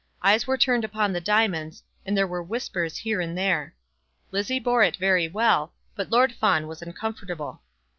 Eyes were turned upon the diamonds, and there were whispers here and there. Lizzie bore it very well; but Lord Fawn was uncomfortable.